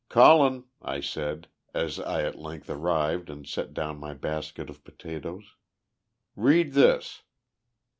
"Colin," I said, as I at length arrived and set down my basket of potatoes, "read this."